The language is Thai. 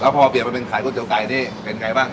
แล้วพอเปลี่ยงมาเป็นไข่ก๋วยเตี๋ยวไก่นี่เป็นไงบ้าง